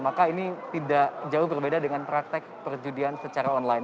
maka ini tidak jauh berbeda dengan praktek perjudian secara online